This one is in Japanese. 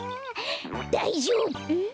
だいじょうぶ！